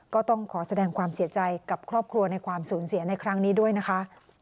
ก็ต้องขอแสดงความเสียใจกับครอบครัวในความสูญเสียในครั้งนี้ด้วยนะคะ